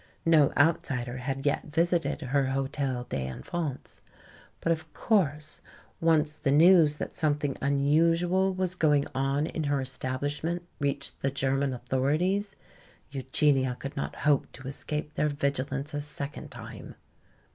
No outsider had yet visited her "Hotel des Enfants." But, of course, once the news that something unusual was going on in her establishment reached the German authorities, Eugenia could not hope to escape their vigilance a second time.